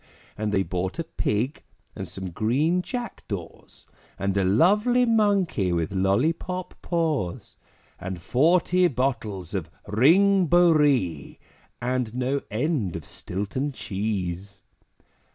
And they bought a Pig, and some green Jack daws, And a lovely Monkey with lollipop paws, And forty bottles of Ring Bo Ree, And no end of Stilton Cheese.